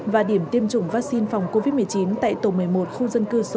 và điểm tiêm chủng vaccine phòng covid một mươi chín tại tổ một mươi một khu dân cư số một